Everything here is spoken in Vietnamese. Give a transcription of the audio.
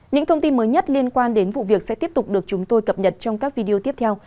những thông tin mới nhất liên quan đến vụ việc sẽ tiếp tục được chúng tôi cập nhật trong các video tiếp theo